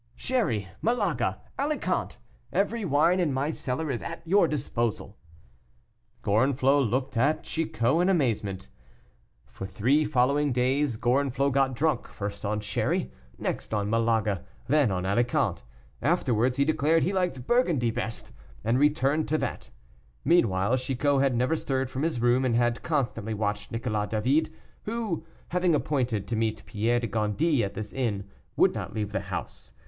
"Sherry, Malaga, Alicant every wine in my cellar is at your disposal." Gorenflot looked at Chicot in amazement. For three following days Gorenflot got drunk, first on sherry, next on Malaga, then on Alicant; afterwards he declared he liked Burgundy best, and returned to that. Meanwhile, Chicot had never stirred from his room, and had constantly watched Nicolas David, who, having appointed to meet Pierre de Gondy at this inn, would not leave the house.